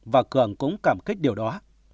và cường cũng cảm kích điều đó